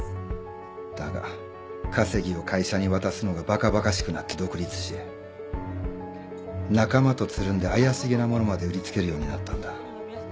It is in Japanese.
だが稼ぎを会社に渡すのがバカバカしくなって独立し仲間とつるんで怪しげな物まで売り付けるようになったんだ。